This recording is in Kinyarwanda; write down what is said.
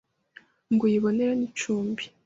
Ngo uyibonere n’icumbi